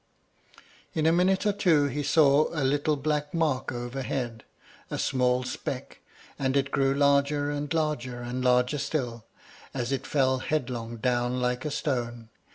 In a minute or two he saw a little black mark overhead, a small speck, and it grew larger, and larger, and larger still, as it fell headlong down like a stone.